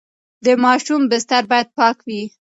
د ماشوم بستر باید پاک وي.